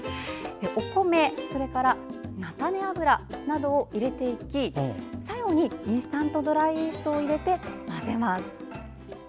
お米、菜種油などを入れていき最後にインスタントドライイーストを入れて混ぜます。